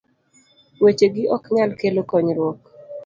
weche gi ok nyal kelo konyruok